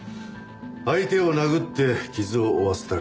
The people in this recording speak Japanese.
相手を殴って傷を負わせたからだ。